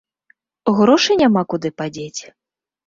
Грошы няма куды падзець?